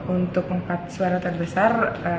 untuk empat suara terbesar